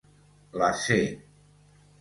La c